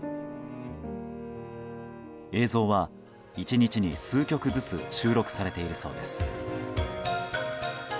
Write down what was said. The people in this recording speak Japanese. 映像は、１日に数曲ずつ収録されているそうです。